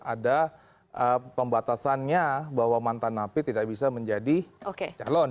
ada pembatasannya bahwa mantan napi tidak bisa menjadi calon